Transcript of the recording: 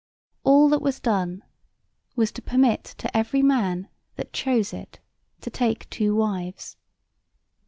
All that was done was to permit to every man that chose it to take two wives.